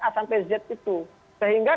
a sampai z itu sehingga